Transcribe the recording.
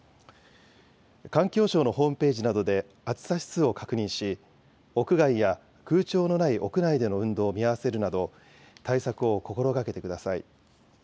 環境省のホームページなどで、暑さ指数を確認し、屋外や空調のない屋内での運動を見合わせるなど、対策を心がけてください。